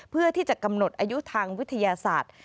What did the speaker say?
เพื่อที่จะกำหนดอายุทางวิทยาศาสตร์